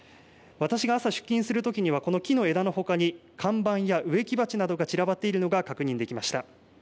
私が朝出勤するときにはこの木の枝のほかに看板や植木鉢などが散らばっているのが確認できました。